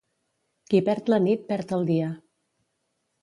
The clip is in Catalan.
Qui perd la nit, perd el dia.